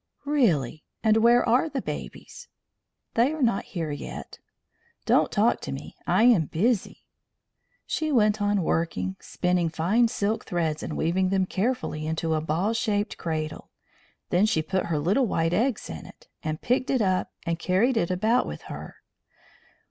"Really! And where are the babies?" "They are not here yet. Don't talk to me. I am busy." She went on working, spinning fine silk threads and weaving them carefully into a ball shaped cradle. Then she put her little white eggs in it, and picked it up and carried it about with her.